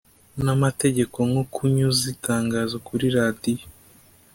n amategeko nko kunyuza itangazo kuri radiyo